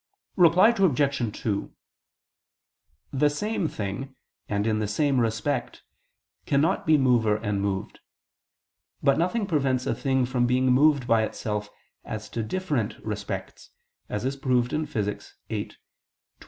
Reply Obj. 2: The same thing, and in the same respect, cannot be mover and moved; but nothing prevents a thing from being moved by itself as to different respects, as is proved in Physics viii, text.